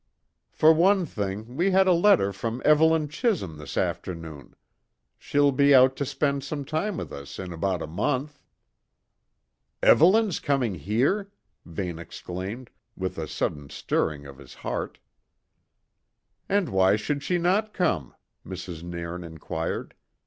"For one thing, we had a letter from Evelyn Chisholm this afternoon. She'll be out to spend some time with us in about a month." "Evelyn's coming here?" Vane exclaimed, with a sudden stirring of his heart. "And why should she not come?" Mrs. Nairn inquired.